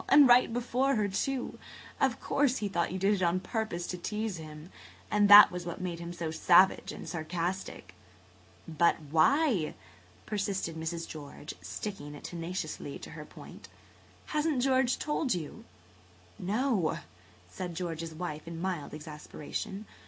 And right before her, too! Of course he thought you did it on purpose to tease him. That was what made him so savage and sarcastic." "But why? " persisted Mrs. George, sticking tenaciously to her point. "Hasn't George told you?" [Page 141] "No," said George's wife in mild exasperation.